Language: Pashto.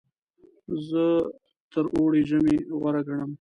زه تر اوړي ژمی غوره ګڼم.